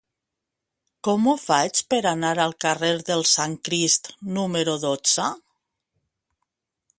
Com ho faig per anar al carrer del Sant Crist número dotze?